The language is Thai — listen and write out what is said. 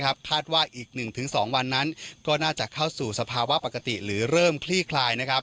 คาดว่าอีก๑๒วันนั้นก็น่าจะเข้าสู่สภาวะปกติหรือเริ่มคลี่คลาย